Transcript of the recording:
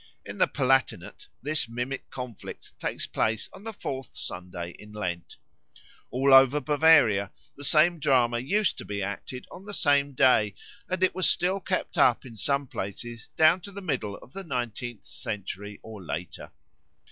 In the Palatinate this mimic conflict takes place on the fourth Sunday in Lent. All over Bavaria the same drama used to be acted on the same day, and it was still kept up in some places down to the middle of the nineteenth century or later.